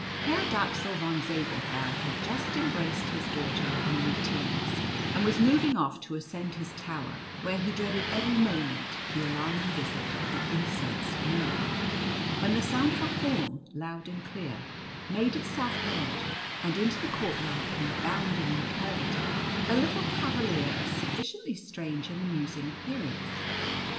Herr Dapsul Von Zabelthau had just embraced his daughter with many tears, and was moving off to ascend his tower, where he dreaded every moment the alarming visit of the incensed gnome, when the sound of a horn, loud and clear, made itself heard, and into the courtyard came bounding and curvetting a little cavalier of sufficiently strange and amusing appearance.